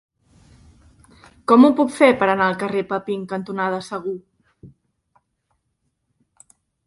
Com ho puc fer per anar al carrer Papin cantonada Segur?